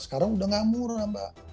sekarang udah gak murah mbak